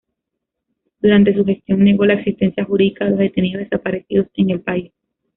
Durante su gestión negó la existencia jurídica de los detenidos desaparecidos en el país.